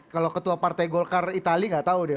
kalau ketua partai golkar itali gak tau deh